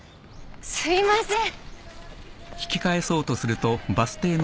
すいません。